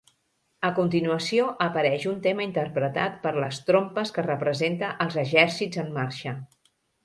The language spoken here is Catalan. A continuació apareix un tema interpretat per les trompes que representa els exèrcits en marxa.